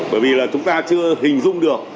bởi vì là chúng ta chưa hình dung được